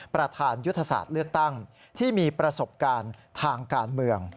ประธานยุทธศาสตร์เลือกตั้งที่มีประสบการณ์ทางการเมือง